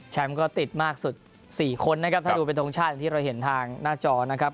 ก็ติดมากสุด๔คนนะครับถ้าดูเป็นทรงชาติอย่างที่เราเห็นทางหน้าจอนะครับ